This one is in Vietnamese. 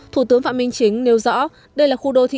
thủ tướng phạm minh chính nêu rõ